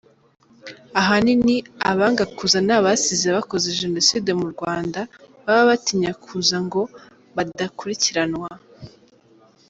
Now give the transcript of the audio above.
Ahanini abanga kuza ni abasize bakoze Jenoside mu Rwanda baba batinya kuza ngo badakurikiranwa”.